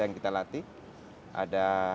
yang kita latih ada